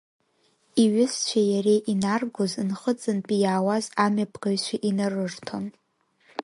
Иҩызцәеи иареи инаргоз, Нхыҵынтәи иаауаз амҩаԥгаҩцәа инарырҭон.